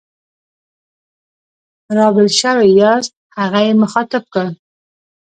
را بېل شوي یاست؟ هغه یې مخاطب کړ.